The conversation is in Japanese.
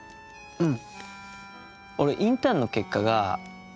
うん。